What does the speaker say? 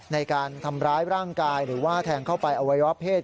ในการทำร้ายร่างกายหรือว่าแทงเข้าไปอวัยวะเพศ